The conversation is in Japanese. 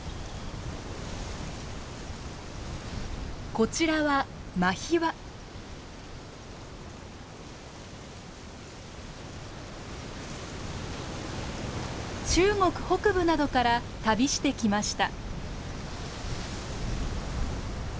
こちらは中国北部などから旅してきました。